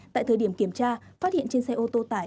tại thời điểm kiểm tra phát hiện trên xe ô tô tải